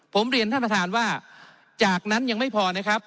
ผมเรียนท่านประธานว่าจากนั้นยังไม่พอนะครับ